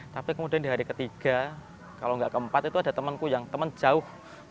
tapi kemudian di hari ketiga kalau enggak keempat itu ada temanku yang temen jauh